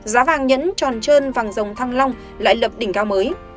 giá vàng nhẫn tròn trơn vàng dòng thăng long lại lập đỉnh cao mới